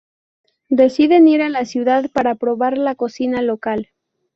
Deciden ir a la ciudad para probar la cocina local.